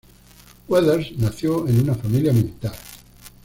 Weathers nació en una familia militar.